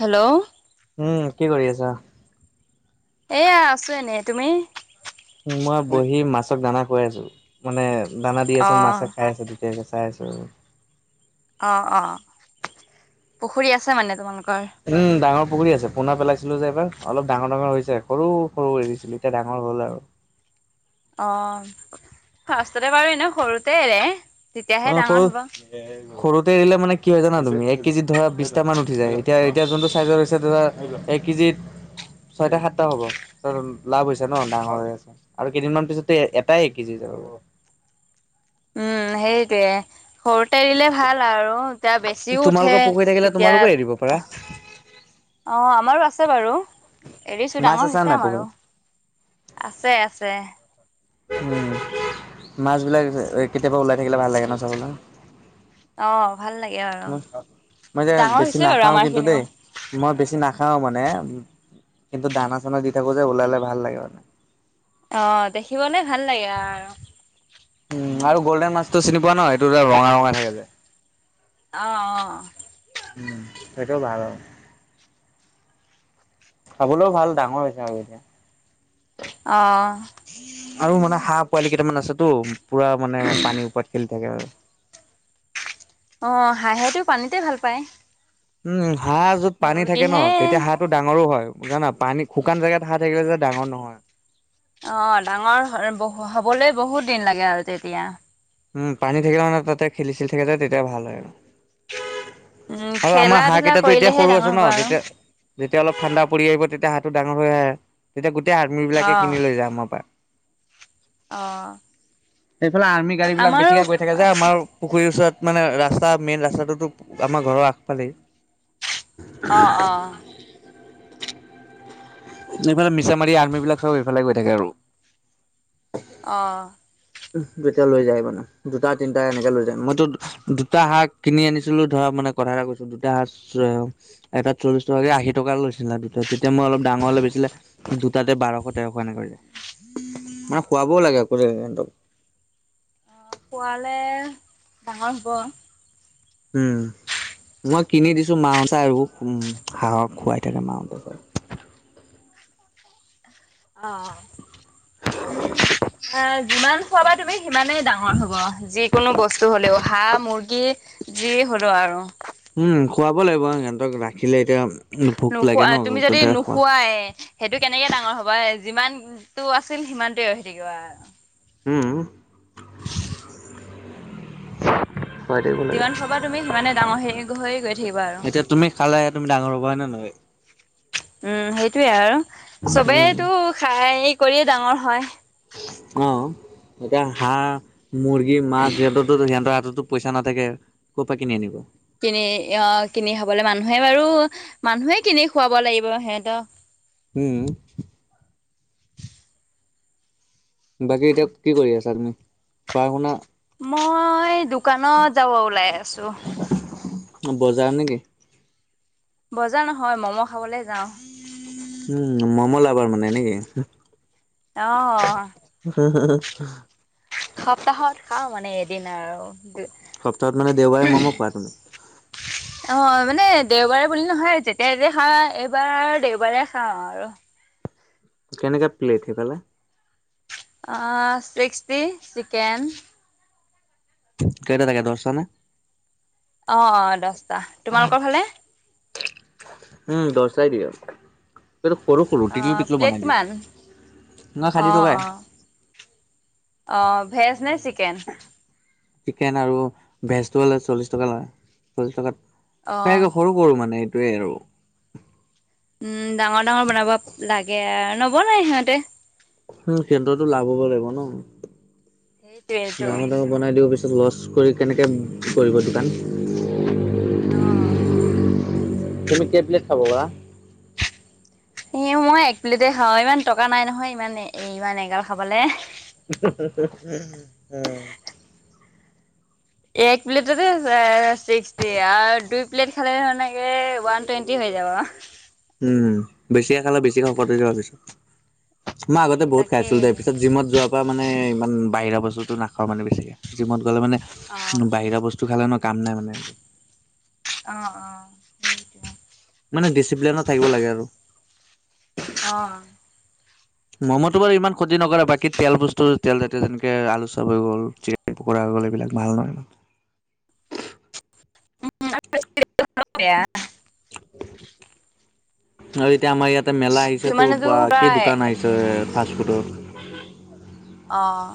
Hello, উম, কি কৰি আছা? এইয়া আছো এনেই তুমি? মই বহি মাছক দানা খুৱাই আছো মানে দানা দি অ আছো মাছে খাই আছে। তেতিয়াকে চাই আছো। অ-অ পুখুৰী আছে মানে তোমালোকৰ, উম, ডাঙৰ পুখুৰী আছে পোনা পেলাইছিলো যে এইবাৰ অলপ ডাঙৰ-ডাঙৰ হৈছে। সৰু-সৰু এৰিছিলো এতিয়া ডাঙৰ হ'ল আৰু। অ, ফাৰ্ষ্টতে বাৰু এনে সৰুতে এৰে তেতিয়াহে অ, ডাঙৰ সৰু হ'ব সৰুতে এৰিলে মানে কি হয় জানা তুমি এক কেজিত ধৰা বিছটামান উঠি যায়। এতিয়া এতিয়া যোনটো চাইজৰ হৈছে ধৰা এক কেজিত ছয়টা সাতটা হ'ব ত লাভ হৈছে, ন ডাঙৰ হৈ আছে। আৰু কেইদিনমান পিছত এটাই এক কেজি হৈ যাব। উম, সেইটোয়ে সৰুতে দিলে ভাল আৰু এতিয়া বেচিও উঠে তোমালোকৰ পুখুৰী থাকিলে তেতিয়া তোমালোকে এৰিব পাৰা অ, আমাৰো আছে বাৰু এৰিছো মাছ ডাঙৰ আছা হৈছে নাই আমাৰো পুখুৰীত? আছে-আছে। মাছবিলাক কেতিয়াবা ওলাই থাকিলে ভাল লাগে ন চাবলে। অ, ভাল লাগে আৰু মই যে ডাঙৰ বেছি হৈছে বাৰু নাখাওঁ আমাৰ কিন্তু দেই খিনিও। মই বেছি নাখাওঁ মানে কিন্তু দানা চানা দি থাকোঁ যে ওলালে ভাল লাগে মানে। অ, দেখিবলে ভাল লাগে আৰু। উম আৰু গল্ডেন মাছটো চি পোৱা ন, এইটোত ৰঙা-ৰঙা থাকে যে। অ, অ, উম, সেইটোও ভাল আৰু। খাবলৈও ভাল ডাঙৰ হৈছে আৰু এতিয়া অ, আৰু মানে হাঁহ পোৱালি কেইটামান আছেতটো পুৰা মানে পানীৰ ওপৰত খেলি থাকে আৰু। অ, হাঁহেটো পানীতে ভাল পায়। উম, হাঁহ যত পানী থাকে ন মুৰ্গীহে তেতিয়া হাত টো ডাঙৰো হয় জান না পানী শুকান জেগাত হাহ‍ঁ থাকিলে যে ডাঙৰ নহয়। অ, ডাঙৰ বহ হবলৈ বহুত দিন লাগে আৰু তেতিয়া উম, পানী থাকিলে মানে তাতে খেলি ছিলি থাকে যায় তেতিয়া ভাল হয় আৰু। উম আৰু আমাৰ খেলা হাঁহ ধূলা কেইটা এতিয়া কৰিলেহে সৰু ডাঙৰ আছে ন হ'ব আৰু তেতিয়া যেতিয়া অলপ ঠাণ্ডা পৰি আহিব তেতিয়া হাহটো ডাঙৰ হৈ আহে। তেতিয়া গোটেই আৰ্ম বিলাকে অ কিনি লৈ যা আমাৰ পৰা। অ, সেইফালে আৰ্মি গাড়ী বিলাক আমাৰো বেছিকে গৈ থাকে যে আছে আমাৰ পুখুৰীৰ ওচৰত মানে ৰাস্তা মেইন ৰাস্তাটোতো আমাৰ ঘৰৰ আগফালেই। অ, অ, এইফালে মিছামাৰী আৰ্ম বিলাক চব এইফালে গৈ থাকে আৰু। অঁ, দুতিয়া লৈ যায় মানে দুটা তিনটা এনেকে লৈ যায় মইতো দুটা হাহঁ কিনি আনিছিলো ধৰা মানে কথা এটা কৈছো দুটা স এটাত চল্লিশ টকাকে আশী টকা লৈছিলে আৰু দুট তেতিয়া মই অলপ ডাঙৰ হলে বেছিলে দুটাতে বাৰশ তেৰশ এনেক কৰিলে, মানে খুৱাবও লাগে আকৌ যে সিহতক। খোৱালে ডাঙৰ হ'ব। উম, মই কিনি দিছো মা চা আৰু হাহক খুৱাই থাকে মা অ', আহ, যিমান খোৱাবা তুমি সিমানেই ডাঙৰ হ'ব, যিকোনো বস্তু হলেও হাঁহ মুৰ্গী। যি হ'লেও আৰু। উম, খুৱাব লাগিব আৰু সিহঁতক ৰাখিলে এতিয়া ভোক লাগে নোখোৱা ন তুমি যদি তেতিয়া খোৱা নোখোৱাই। সেইটো কেনেকে ডাঙৰ হ'ব, যিমানতটো আছিল সিমানটোে হৈ থাকিব। উম। খুৱাই থাকিব লাগে। যিমান খুৱাব তুমি সিমানে ডাঙৰ হৈ হৈ গৈ থাকিবা আৰু। এতিয়া তুমি খালে তুমি ডাঙৰ হ'বা হয় নে নহয়? উম সেইটোয়ে আৰু উম। চবেইতো খাই কৰিয়ে ডাঙৰ হয়। অ', এতিয়া হাঁহ মুৰ্গী মাছ সিহঁতৰো সিহঁতৰ হাতত পইচা নাথাকে ক'ৰপ পৰা কিনি আনিব। কিনি অ', কিনি খাবলৈ মানুহে বাৰু মানুহে কিনি খুৱাব লাগিব সিহঁতক। উম। বাকী এতিয়া কি কৰি আছা তুমি পঢ় শুনা? মই দোকানত যাব ওলাই আছো। অঁ', বজাৰ নে কি? বজাৰ নহয়, ম'ম' খাবলে উম, ম'ম' লাভাৰ মনে নে কি? অ উম। সপ্তাহত খাওঁ মানে এদিন আৰু দু সপ্তাহত মানে দেওবাৰে ম'ম খোৱা তুমি? [inaudible] অ', মানে দেওবাৰে বুলি নহয়, যেতিয়া তেতিয়া খাও এইবাৰ দেওবাৰে খাওঁ আৰু। কেনেকা প্লেট সেইফালে? আহ, ছিক্সটি চিকেন। কেইটা থাকে দহতা নে? অ', অ', দহটা তোমালোকৰ ফালে? উম, দহটাই দিয়ে। এইটো সৰু-সৰু টিকলু অ' টিকলো প্লেট বনাই দিয়ে কিমান? নহয় ষাঠি অ' টকাই। অ' অ', ভেজ নে চিকেন? চিকেন আৰু ভেজটো হ'লে চল্লিশ টকা লয় চল্লিশ টকাত অ' সেইাকে সৰু সৰু মানে এইটোৱে আৰু। উম, ডাঙৰ ডাঙৰ বনাব লাগে, আৰু নবনাই সিহঁতে উম, সিহঁতৰটো লাভ হ'ব লাগিব সেইটোৱেইটো ন' ডাঙৰ ডাঙৰ বনাই দিব পিছত লছ কৰি কেনেকৈ কৰিব দোকান। অঁ'। তুমি কেই প্লেট খাব পাৰা? এ মই এক প্লেটে খাওঁ, ইমান টকা নাই নহয় ইমান ইমান এগাল খাবলে। উম। এক প্লেটতে ছিক্সটি আৰু দুই প্লেট খালে [unintelligible] ওৱান টুৱেণ্টি হৈ যাব। উম, বেছিকে খালে বেছিকৈ শকত হৈ যাবা পিছত। মই এই আগতে বহুত তাকে খাইছিলো দেই পিছত জিমত যোৱা পা মানে ইমান বাহিৰা বস্তুতটো নাখাওঁ মানে বেছিকে, জিমত গ'লে মানে অ' উম, বাহিৰা বস্তু খালে হেনো কাম নাই মানে। অ ', অ ', সেইটো। মানে ডিচিপ্লিনত থাকিব লাগে আৰু। উ [inaudible] ম'ম'টো বাৰু ইমান ক্ষতি নকৰে, বাকী তেল বস্তু, তেল তাতে তেনেকে আলু চাব হ'ল পকৰা, এইবিলাক, ভাল নহয়। [unintelligible] আৰু এতিয়া আমাৰ ইয়াতে মেলা আহিছে তো, কিছুমানেতো বা কি প্ৰায় দোকান আহিছে। যে ফাষ্টফুডৰ অঁ।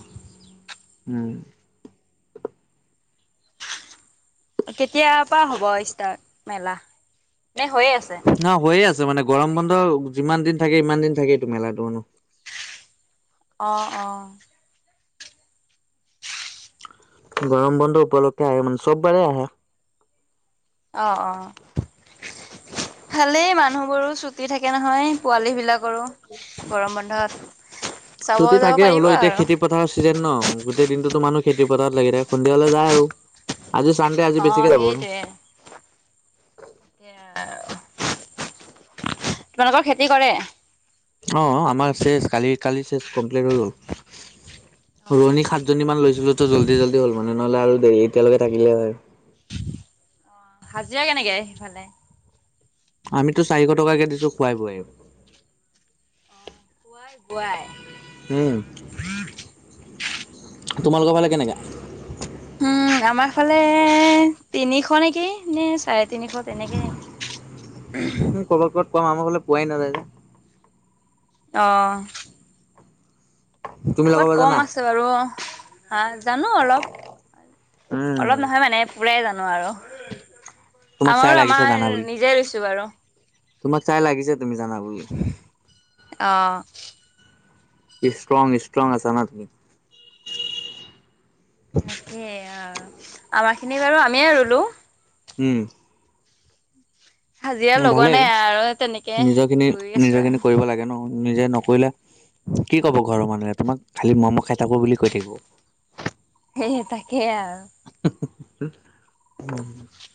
উম। কেতিয়াৰ পৰা হ'ব ষ্টাৰ্ট মেলা, নে, হৈয়ে আছে? নহয়, হৈয়ে আছে, মানে গৰম বন্ধ যিমান দিন থাকে, ইমান দিন থাকেই এইটো মেলাটো মানে। অ' অ'। গৰম বন্ধ উপলক্ষে আহে, মানে চববাৰেই আহে। অ' অ'। ভালেই মানুহবোৰো, ছুটি থাকে নহয় পোৱালি বিলাকৰো। গৰম বন্ধত চাব ছুটী যাব থাকে, পাৰিব হ'লেও এতিয়া আৰু। খেতি খেতি পথাৰৰ চিজন ন', গোটেই দিনতো মানুহ খেতি-পথাৰত লাগি থাকে, সন্ধিয়ালে যায় আৰু। আজি চানডে, আজি বেছিকে যাব। তাকে। তোমালোকৰ খেতি কৰে? অ', আমাৰ চেচ, কালি, কালি চেচ কমপ্লিট হৈ গ'ল। অ', ৰোৱণী সাতজনীমান লৈছিলো ত' জল্দি জল্দি হ'ল মানে, নহ'লে আৰু দেৰি, এতিয়ালৈকে থাকিলে হয়। হাজিৰা কেনেকে সেইফালে? আমিটো চাৰিশ টকাকে দিছোঁ, খোৱাই বোৱাই। খোৱাই, উম। বোৱাই। তোমালোকৰ ফালে কেনেকা? উম, আমাৰ ফালে তিনিশ নেকি, নে চাৰে তিনিশ তেনেকেই। ক'বাত ক'বাত পাম, আমাৰ ফালে পোৱাই নাযায় যে। অ'। তুমি লগাব ক'ৰবাত কম জানা? আছে বাৰু, জানো অলপ, উম অলপ। নহয় মানে, পুৰাই জানো আৰু, তোমাক চাই আমাৰো লাগিছে জানা আমাৰ বুলি। নিজে ৰুইছো বাৰু। তোমাক চাই লাগিছে তুমি জানা বুলি। অ'। ইষ্ট্ৰং, ইষ্ট্ৰং আছা তুমি। তাকেইে আৰু, আমাৰখিনি বাৰু আমিয়ে ৰুলো। উম। হাজিৰা উম লগোৱা ভালেই, নাই আৰু তেনেকে নিজৰ খিনি, ৰুই আছো নিজৰ আৰু খিনি কৰিব লাগে ন'। নিজে নকৰিলে কি ক'ব ঘৰৰ মানুহে, তোমাক খালি মৰমত খাই থাকে বুলি কৈ থাকিব। সেই তাকে আৰু। উ [unintelligible]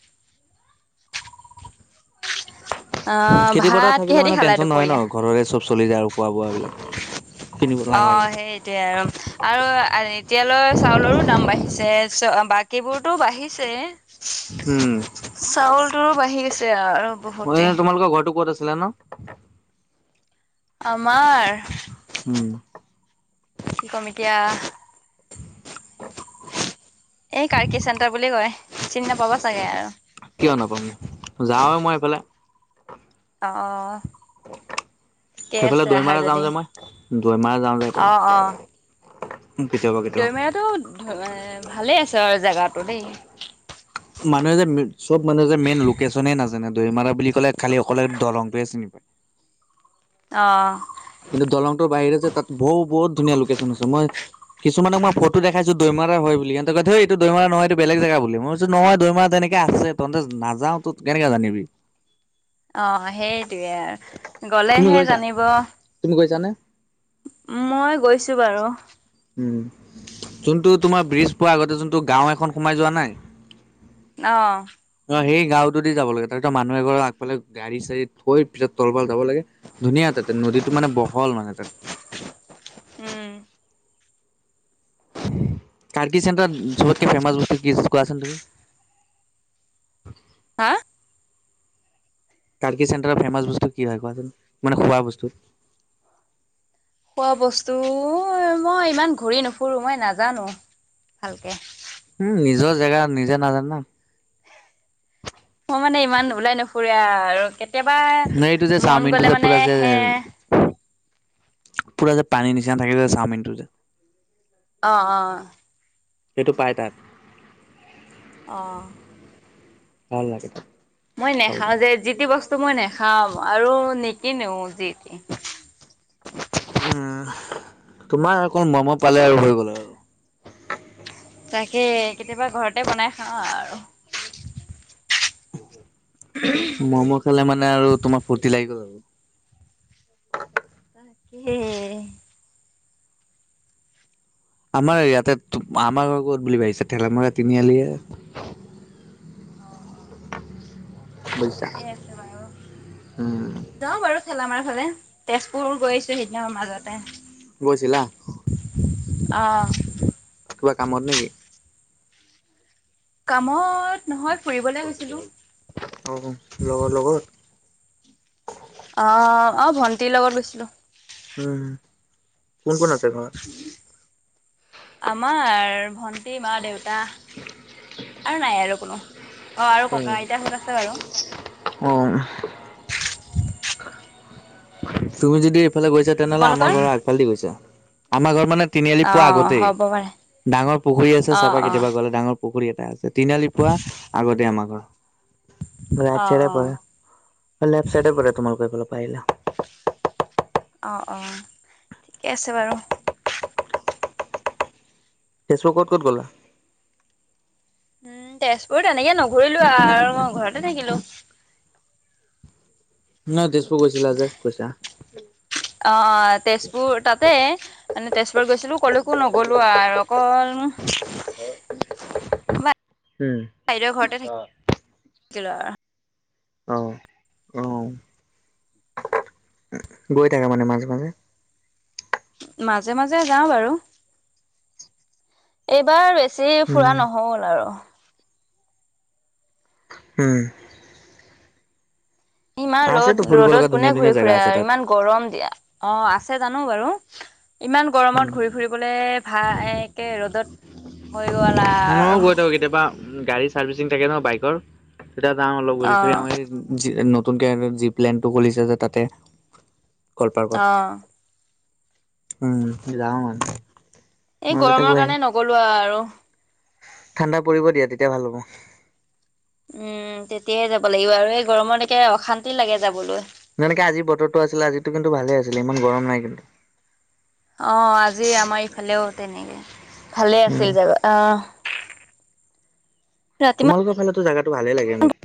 অ' খেতি পথাৰ ভাত থাকিলে কিহেদি মানে খালা টেনচন নহয় দুপৰীয়া? ন', ঘৰৰে চব চলি যায় আৰু খোৱা বোৱা বিলাক। অ, সেই এতিয়া আৰু আৰু এতিয়ালৈ চাউলৰো দাম বাঢ়িছে চ বাকীবোৰতো বাঢ়িছে। উম, চাউল তো বাঢ়ি আছে আৰু। মই বহুতে। তোমালোকৰ ঘৰতটো ক'ত আছিলে ন? আমাৰ উম, কি ক'ম এতিয়া। এই কাৰ্গি চেণ্টাৰ বুলি কয় চিনি নাপাব চাগে আৰু। কিয় নাপাম যাওঁৱে মই এইফালে। অ, ঠিক সেইফালে আছে অহা দৈমাৰা যাওঁ যদি, যে মই দৈমাৰা যাওঁ যে অ, এইফালে অ, কেতিয়াবা কেতিয়াবা। দৈমেৰাতটো এ ভালে আছে আৰু জেগা দেই। মানুহে যে চব মানুহে যে মেইন লোকেশচনেই নাজানে দৈমাৰা বুলি ক'লে, খালি অকলে দলংটোৱে চিনি পায়। অ, কিন্তু দলংটোৰ বাহিৰে যে তাত ব বহুত ধুনীয়া লোকেশচন আছে মই কিছুমানক মই ফটো দেখাইছো। দৈমাৰ হয় বুলি কিন্তে কয় থ এইটো দৈমাৰ নহয় এইটো বেলেগ জেগ বুলিইছো নহয় দৈমা তেনেকে আছে তন্ততে নাযা তো। কেনেকে জানিবি? অ, সেইটোৱে আৰু গলেহে জানিব। তুমি গৈছা নে? মই গৈছো বাৰু। উম, যোনটো তোমাৰ ব্ৰিজ পোৱাৰ আগতে যোনটো গাও এখন সোমাই যোৱা নাই। অ, ন সেই গাঁওতো দি যাব লাগে তাৰপিছ মানুহ এগৰ আগালে গাডী চড়ী থৈ পিছত তলফাল যাব লাগে। ধুনীয়া তাত, নদীতটো মানে বহল মানে তাত উম, কাৰ্গি চেণ্টাৰত চবতকে ফেমাছ বস্তু কি কোৱা আচোন তুমি? হা? কাৰ্গি চেণ্টাৰৰ ফেমাচ বস্তু কি হয় কোৱাচোন, মানে খোৱা বস্তু? খোৱা বস্তু মই ইমান ঘূৰি নুফুৰোঁ মই নাজানো ভালকে। উম, নিজৰ জেগা নিজে নাজানা? মোৰ মানে ইমান ওলাই নুফুৰো আৰু কেতিয়াবা ন এইটো যে মন চাওমিনটো গলে যে মানে পুৰা যে হে পুৰা যে পানী নিচিনা থাকে যে চাওমিনটো যে। অ, অ, সেইটো পায় তাত। অ', ভাল লাগে। মই খাবলৈ নেখাওঁ যে যি টি বস্তু মই নাখাওঁ আৰু নিকিনোও যি টি। উ, তোমাৰ অকল মম পালে আৰু হৈ গ'ল আৰু। তাকে কেতিয়াবা ঘৰতে বনাই খাওঁ আৰু। ম'ম খালে মানে আৰু তোমাৰ ফূৰ্তি লাগি গ'ল আৰু। [unintelligible] আমাৰ ইয়াতে আমাৰ ঘৰ ক'ত বুলি ভাবিছে ঠেলা মাৰা তিনিআলিয়ে। অ', অ', বুজিছা। ঠিকে আছে বাৰু। উম, যাওঁ বাৰু ঠেলা মাৰ ফালে তেজপুৰ গৈ আছো সেইদিনা মাজতে। গৈছিলা? অ', কিবা কামত নেকি? কামত নহয় ফুৰিবলে গৈছিলোঁ। অ', লগৰ লগত? অ', অ', ভণ্টিৰ লগত গৈছিলোঁ। উম, কোন কোন আছে ঘৰত? আমাৰ ভন্টি মা দেউতা আৰু নাই আৰু কোনো। অ', আৰু উম, ক'কা আইতা সত আছে বাৰু। অ', তুমি যদি এইফালে গৈছা তেনেহলে আমাৰ তোমালোকৰ? ঘৰৰ আগফালে দি গৈছা। আমাৰ ঘৰত মানে তিনিআলি পোৱা অ', আগতেই, হ'ব পাৰে ডাঙৰ পুখুৰী আছে অ', চাবা অ'। কেতিয়াবা গ'লে ডাঙৰ পুখুৰী এটা আছে তিনিআলি পুৱা আগতে আমাৰ ঘৰ, ৰাইট অ', চাইডে অ'। পৰে। লেফচাইডে পৰে তোমাৰ লোকৰ সেই ফালৰ পৰা আহিলে। অ', অ', ঠিকে আছে বাৰু। ফেচবুকত ক'ত গলা? উম, তেজপুৰত এনেকে নুঘুৰিলো আৰু মই ঘৰতে থাকিলো। ন' তেজপুৰ গৈছিলা যে কৈছা। অ', তেজপুৰ তাতে মানে তেজপুৰত গৈছিলো ক'লেকো নগলো আৰু অকল উম বাইদৰ ঘৰতে থাকিল থাকিলো আৰু অ', অ', গৈ থাকা মানে মাজে মাজে? মাজে মাজে যাও বাৰু, এইবাৰ বেচি বেচি ফুৰা উম নহ'ল আৰু উম, ইমান আছেতো ৰ'দ ফুৰিব লগা ৰ'দত কোনে ধুনীয়া ঘূৰি ধুনীয়া জেগা ফুৰে আছে আৰু তাত ইমান গৰম দিয়া। অ', আছে জানো বাৰু ইমান উম গৰমত ঘূৰি ফুৰিবলে ভাল একে ৰ'দত হৈ গ'ল ময়ো আৰু গৈ থাকো কেতিয়াবা উম, গাড়ী চাৰ্ভিচিং থাকে ন' বাইকৰ তেতিয়া যাওঁ অলপ অ ঘূৰি চুৰি আহোঁ জি নতুনকে [unintelligible] জি প্লেনটো খুলিছে যে তাতে কল পাৰ্কত অ উম, যাওঁ এই মাজতে গৰমৰ গৈ আহিম কাৰণে নগলো আৰু ঠাণ্ডা পৰিব দিয়া তেতিয়া ভাল হ'ব উম, তেতিয়াহে যাব লাগিব আৰু এই গৰমতকে অশান্তি লাগে যাবলৈ। যেনেকে আজি বতৰটো আছিল আজিতো কিন্তু ভালে আছিলে ইমান গৰম নাই কিন্তু। অ', আজি আমাৰ ইফালেও তেনেকে ভালে উম আছিল জেগা অহ, তোমালোকৰ ফালেটো জেগাটো ভালেই লাগে মোক।